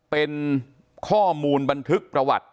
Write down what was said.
เป็นข้อมูลบันทึกประวัติ